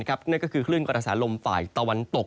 นั่นก็คือคลื่นกระแสลมฝ่ายตะวันตก